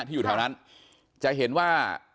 อยู่แถวนั้นจะเห็นว่า